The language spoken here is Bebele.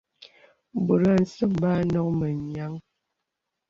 Bɔ̀t a nsə̀ŋ bə a nok mə nyìəŋ.